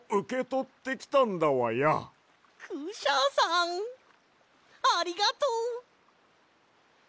クシャさんありがとう！